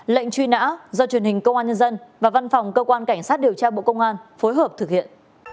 lệnh truy nã do truyền hình công an nhân dân và văn phòng cơ quan cảnh sát điều tra bộ công an phối hợp thực hiện